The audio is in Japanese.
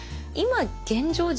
今現状